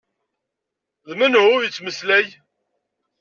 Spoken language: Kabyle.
D menhu yettmeslay?